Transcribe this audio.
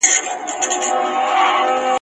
نه په داد به څوك رسېږي د خوارانو !.